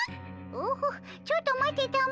オホちょっと待ってたも。